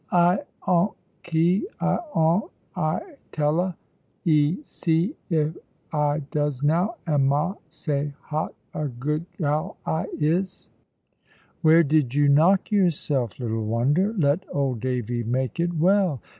"I 'ont ky, I 'ont, I tell 'a. 'Ee see if I does now, and ma say hot a good gal I is." "Where did you knock yourself, little wonder? Let old Davy make it well.